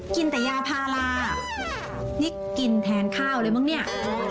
กินแต่ยาพารานี่กินแทนข้าวเลยมั้งเนี่ย